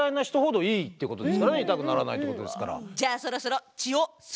痛くならないってことですから。